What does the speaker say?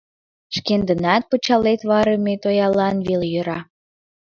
Шкендынат пычалет варыме тоялан веле йӧра.